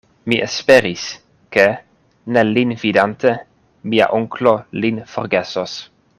Mi esperis, ke, ne lin vidante, mia onklo lin forgesos.